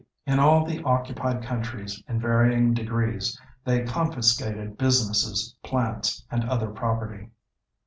In all the occupied countries, in varying degrees, they confiscated businesses, plants, and other property.